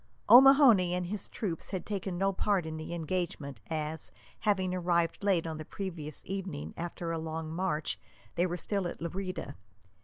O'Mahony and his troops had taken no part in the engagement, as, having arrived late on the previous evening after a long march, they were still at Lerida.